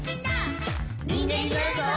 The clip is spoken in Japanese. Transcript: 「にんげんになるぞ！」